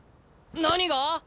何が？